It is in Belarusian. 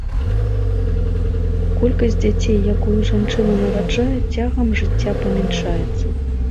Колькасць дзяцей, якую жанчына нараджае цягам жыцця, памяншаецца.